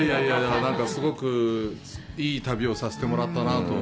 すごく、いい旅をさせてもらったなと。